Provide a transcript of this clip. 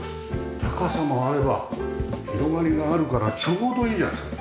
高さもあれば広がりがあるからちょうどいいじゃないですか。